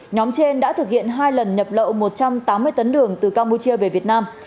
nhóm trên đã thực hiện hai lần nhập lậu một trăm tám mươi tấn đường từ campuchia về việt nam